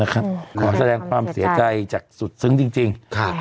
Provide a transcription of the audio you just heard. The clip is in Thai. ขอแสดงความเสียใจจากสุดซึ้งจริง